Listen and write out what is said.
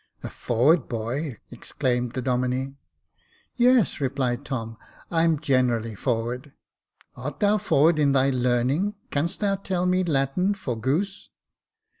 " A forward boy," exclaimed the Domine. " Yes," replied Tom ;" I'm generally forward." " Art thou forward in thy learning ? Canst thou tell me Latin for goose